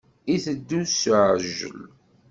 Iteddu s uɛijel.